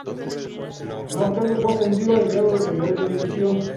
Más tarde fue ascendido al grado de general de división.